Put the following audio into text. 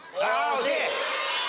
惜しい！